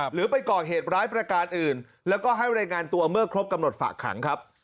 หรือไปก่อเหตุร้ายประการอื่นแล้วก็ให้รายงานตัวเมื่อครบกำหนดฝากขังครับ